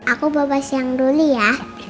aku bawa siang dulu ya